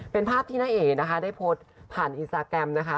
เป็นภาพที่น้าเอ๋นะคะได้โพสต์ผ่านอินสตาแกรมนะคะ